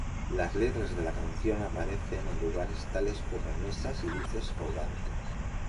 Las letras de la canción aparecen en lugares tales como mesas y luces colgantes.